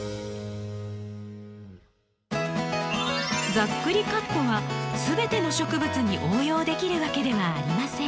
ざっくりカットは全ての植物に応用できるわけではありません。